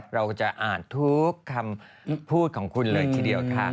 เราจะอ่านทุกคำพูดของคุณเลยทีเดียวค่ะ